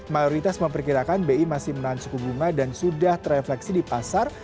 mayoritas memperkirakan bi masih menahan suku bunga dan sudah terefleksi di pasar